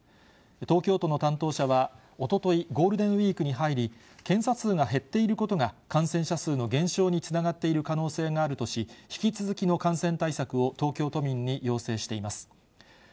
東京都の担当者は、おととい、ゴールデンウィークに入り、検査数が減っていることが、感染者数の減少につながっている可能性があるとし、引き続きの感染対策を東京都民に要請しています。